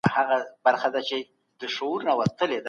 تاسي کله د پښتو د لوړو زده کړو لپاره هڅه وکړه؟